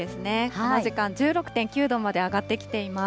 この時間、１６．９度まで上がってきています。